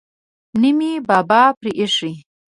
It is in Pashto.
نه مې بابا پریښی.